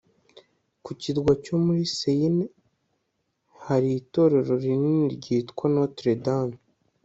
ku kirwa cyo muri seine, hari itorero rinini ryitwa notre dame